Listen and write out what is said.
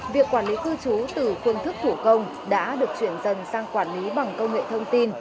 việc quản lý cư trú từ phương thức thủ công đã được chuyển dần sang quản lý bằng công nghệ thông tin